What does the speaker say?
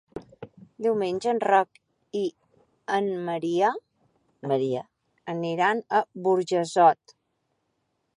Diumenge en Roc i en Maria aniran a Burjassot.